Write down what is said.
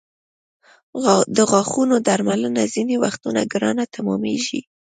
د غاښونو درملنه ځینې وختونه ګرانه تمامېږي.